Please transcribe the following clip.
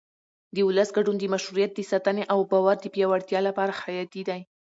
د ولس ګډون د مشروعیت د ساتنې او باور د پیاوړتیا لپاره حیاتي دی